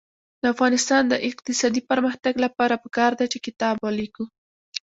د افغانستان د اقتصادي پرمختګ لپاره پکار ده چې کتاب ولیکو.